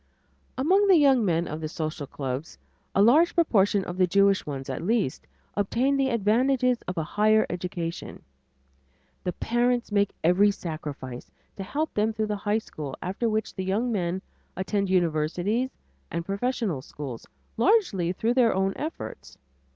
Among the young men of the social clubs a large proportion of the Jewish ones at least obtain the advantages of a higher education. The parents make every sacrifice to help them through the high school after which the young men attend universities and professional schools, largely through their own efforts.